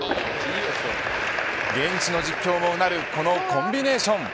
現地の実況もうなるこのコンビネーション。